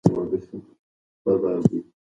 اپوفیس یو مشهور اسټروېډ دی.